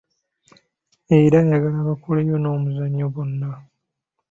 Era ayagala bakoleyo n'omuzannyo bonna.